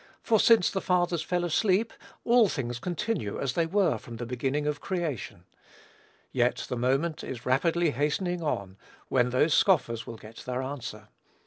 for, since the fathers fell asleep, all things continue as they were from the beginning of creation;" yet the moment is rapidly hastening on when those scoffers will get their answer.